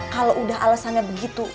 kalau udah alesannya berguna